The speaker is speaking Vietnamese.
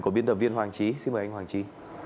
của biên tập viên hoàng trí xin mời anh hoàng trí